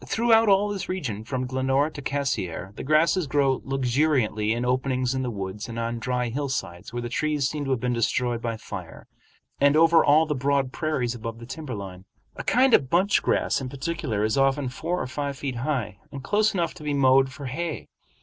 Throughout all this region from Glenora to Cassiar the grasses grow luxuriantly in openings in the woods and on dry hillsides where the trees seem to have been destroyed by fire, and over all the broad prairies above the timber line. A kind of bunch grass in particular is often four or five feet high, and close enough to be mowed for hay.